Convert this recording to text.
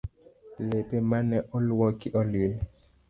Lepe mane oluoki olil